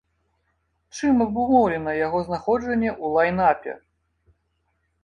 Чым абумоўлена яго знаходжанне ў лайн-апе?